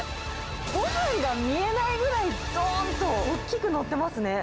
ごはんが見えないくらい、どーんと、おっきく載ってますね。